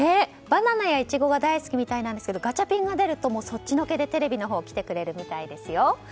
バナナやイチゴが大好きみたいなんですけどガチャピンが出るとそっちのけでテレビのほうに来てくれるみたいですよ。